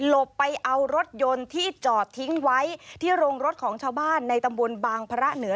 ไปเอารถยนต์ที่จอดทิ้งไว้ที่โรงรถของชาวบ้านในตำบลบางพระเหนือ